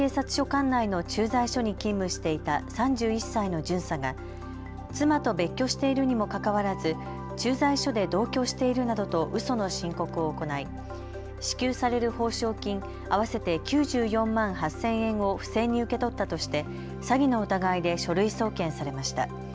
管内の駐在所に勤務していた３１歳の巡査が妻と別居しているにもかかわらず駐在所で同居しているなどとうその申告を行い支給される報償金合わせて９４万８０００円を不正に受け取ったとして詐欺の疑いで書類送検されました。